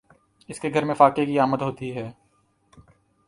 اس کے گھر میں فاقے کی آمد ہوتی ہے